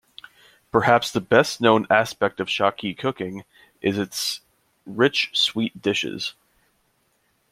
Perhaps the best-known aspect of Shaki cooking is its rich sweet dishes.